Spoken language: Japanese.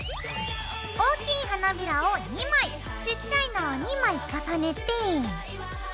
大きい花びらを２枚ちっちゃいのを２枚重ねて。